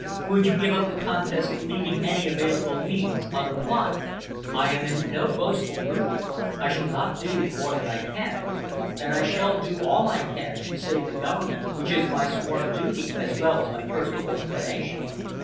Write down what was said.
Would you give up the contest leaving any available means unapplied? I am in no boastful mood. I shall not do more than I can, and I shall do all I can, to save the government, which is my sworn duty, as well as my personal inclination.